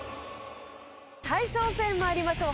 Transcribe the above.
大将戦参りましょう。